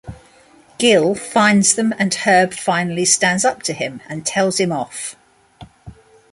Gil finds them and Herb finally stands up to him and tells him off.